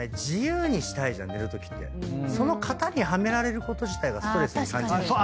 自由にしたいじゃん寝るときってその型にはめられること自体がストレスに感じる。